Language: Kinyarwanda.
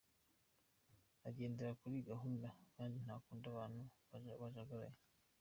Agendera kuri gahunda kandi ntakunda abantu bajagaraye.